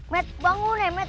met bangun met